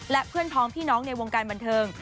และเพื่อนพ้องพี่น้องในวงการบันเทิง